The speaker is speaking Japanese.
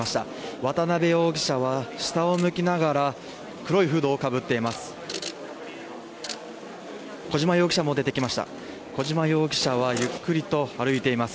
渡辺容疑者は下を向きながら黒いフードをかぶっています。